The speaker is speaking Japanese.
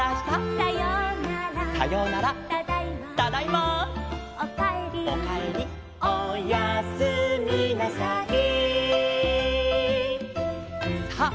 「ただいま」「」「おかえり」「」「おやすみなさい」さあ